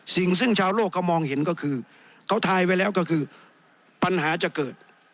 สิ่งซึ่งชาวโลกเขามองเห็นก็คือเขาทายไว้แล้วก็คือปัญหาจะเกิด